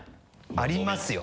ありますよ。